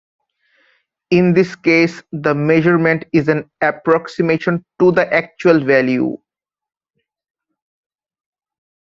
In this case, the measurement is an approximation to the actual value.